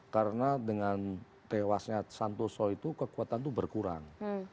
karena dengan tewasnya santoso itu kekuatan itu berkurang